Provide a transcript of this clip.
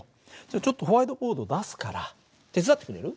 ちょっとホワイトボードを出すから手伝ってくれる？